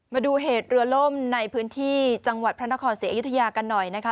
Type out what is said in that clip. มาดูเหตุเรือล่มในพื้นที่จังหวัดพระนครศรีอยุธยากันหน่อยนะคะ